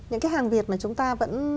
những cái hàng việt mà chúng ta vẫn